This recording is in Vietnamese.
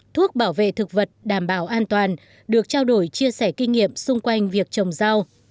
thuốc bảo vệ thực vật đảm bảo an toàn được trao đổi chia sẻ kinh nghiệm xung quanh việc trồng rau